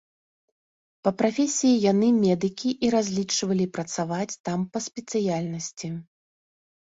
Па прафесіі яны медыкі і разлічвалі працаваць там па спецыяльнасці.